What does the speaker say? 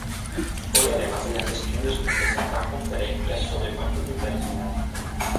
Hoy, además de la gestión de su empresa, da conferencias sobre marketing personal.